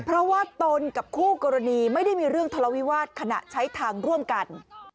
เพราะว่าตนกับคู่กรณีไม่ได้มีเรื่องทะเลาวิวาสขณะใช้ทางร่วมกัน